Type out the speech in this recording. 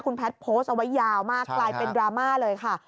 คุณแพทย์โพสต์เอาไว้ยาวมากกลายเป็นดราม่าเลยค่ะ